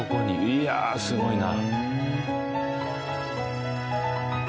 いやあすごいな。